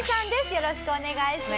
よろしくお願いします。